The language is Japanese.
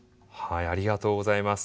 ありがとうございます。